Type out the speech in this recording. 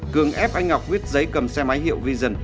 cường ép anh ngọc viết giấy cầm xe máy hiệu vision